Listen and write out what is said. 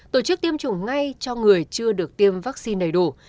tổ chức tiêm chủng ngay cho người chưa được tiêm vaccine đầy đủ